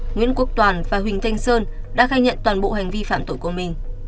nguyễn quốc toàn và huỳnh thanh sơn đã khai nhận toàn bộ hành vi phạm tội của mình